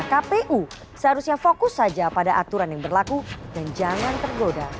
kpu seharusnya fokus saja pada aturan yang berlaku dan jangan tergoda